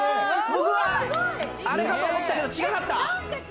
僕は、あれかと思ったけど違かった。